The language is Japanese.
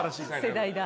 世代だ。